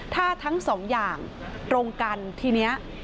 ถ้าทั้งสองอย่างตรงกันทีนี้